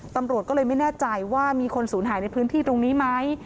ตำรวจก็เลยไม่แน่ใจว่ามีคนสูญหายในพื้นที่ตรงนี้ไหม